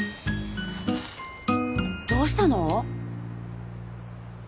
どうしたの？